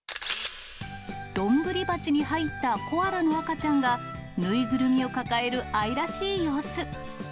丼鉢に入ったコアラの赤ちゃんが縫いぐるみを抱える愛らしい様子。